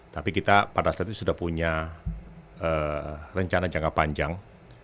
tapi kita pada saat itu sudah punya rencana jangka panjang